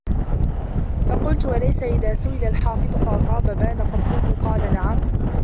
فَقُلْت أَلَيْسَ إذَا سُئِلَ الْحَافِظُ فَأَصَابَ بَانَ فَضْلُهُ ؟ قَالَ نَعَمْ